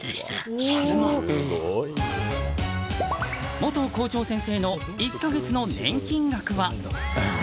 元校長先生の１か月の年金額は。